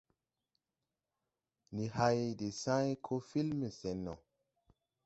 Ndi hày de sãy koo filme sɛn no.